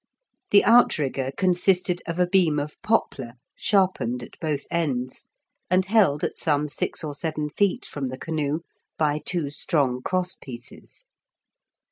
The outrigger consisted of a beam of poplar, sharpened at both ends, and held at some six or seven feet from the canoe by two strong cross pieces.